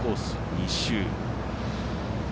２周。